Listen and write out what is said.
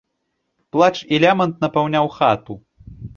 Плач і лямант напаўняў хату.